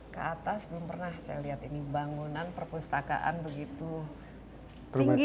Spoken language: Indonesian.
ke atas belum pernah saya lihat ini bangunan perpustakaan begitu tinggi